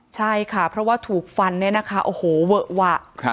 ใช่ค่ะเพราะว่าถูกฟันเนี่ยนะคะโอ้โหเวอะหวะ